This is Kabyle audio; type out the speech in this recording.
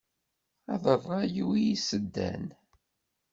Ad ṛṛay-iw i yiseddan.